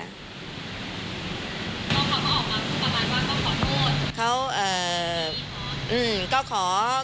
พี่ไม่ได้อยากให้ออกมาทุกประมาณว่าเขาขอโทษ